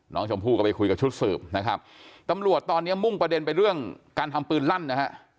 น้องชมพู่ก็ไปคุยกับชุดสืบนะครับตำรวจตอนนี้มุ่งประเด็นไปเรื่องการทำปืนลั่นนะฮะ